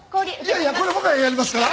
いやいやこれ僕がやりますから。